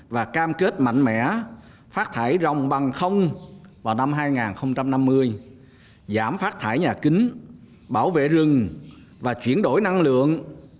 và cam kết mạnh mẽ phát thải rồng bằng không vào năm hai nghìn năm mươi giảm phát thải nhà kính bảo vệ rừng và chuyển đổi năng lượng